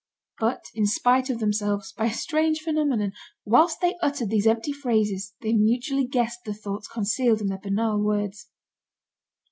But, in spite of themselves, by a strange phenomenon, whilst they uttered these empty phrases, they mutually guessed the thoughts concealed in their banal words.